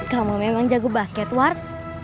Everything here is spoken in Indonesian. kamu memang jago basket ward